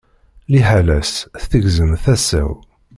Liḥala-s, tegzem tasa-w.